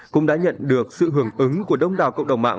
cũng đã nhận được sự hưởng ứng của đông đảo cộng đồng mạng